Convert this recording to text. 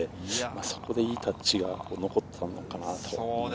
そこでいいタッチが残っていたのかな。